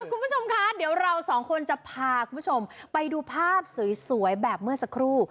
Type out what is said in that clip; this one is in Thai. คุณผู้ชมคะเดี๋ยวเราสองคนจะพาคุณผู้ชมไปดูภาพสวยแบบเมื่อสักครู่